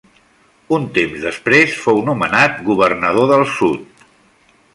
Un temps després fou nomenat governador del sud.